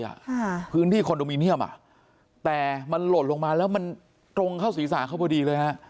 ค่ะพื้นที่คอนโดมิเนียมอ่ะแต่มันหล่นลงมาแล้วมันตรงเข้าศีรษะเขาพอดีเลยฮะ